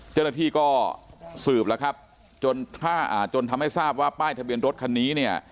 เจนที่ก็สืบแล้วครับจนทำให้ทราบว่าป้ายทะเบียนรถคันนี้